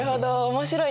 面白いね。